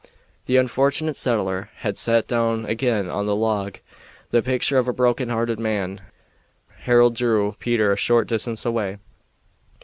The unfortunate settler had sat down again on the log, the picture of a broken hearted man. Harold drew Peter a short distance away.